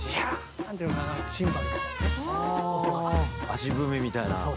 足踏みみたいな。